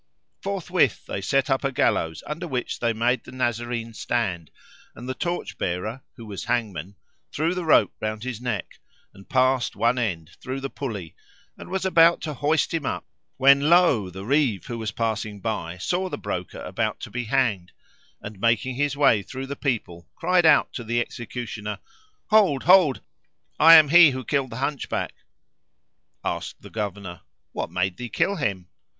Forthwith they set up a gallows under which they made the Nazarene stand and the torch bearer, who was hangman, threw the rope round his neck and passed one end through the pulley, and was about to hoist him up[FN#509] when lo! the Reeve, who was passing by, saw the Broker about to be hanged; and, making his way through the people, cried out to the executioner, "Hold! Hold! I am he who killed the Hunchback!" Asked the Governor, "What made thee kill him?"